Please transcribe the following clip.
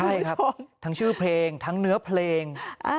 ใช่ครับทั้งชื่อเพลงทั้งเนื้อเพลง